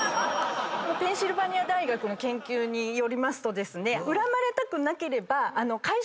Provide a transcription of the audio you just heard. ペンシルバニア大学の研究によりますとですね。